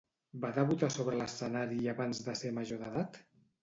Va debutar sobre l'escenari abans de ser major d'edat?